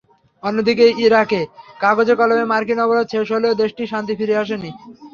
অন্যদিকে, ইরাকে কাগজে-কলমে মার্কিন অবরোধ শেষ হলেও দেশটিতে শান্তি ফিরে আসেনি।